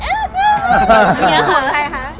ไม่ค่อยได้สวีทนะคะ